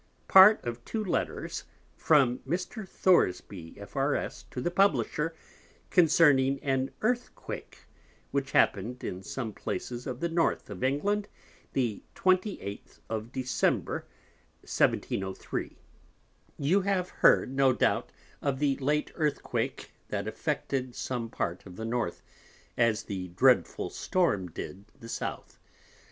Part of two Letters from Mr. Thoresby, F.R.S. to the Publisher, concerning an Earthquake, which happen'd in some Places of the North of England, the 28th of December 1703. You have heard, no doubt, of the late Earthquake that affected some part of the North, as the dreadful Storm did the South.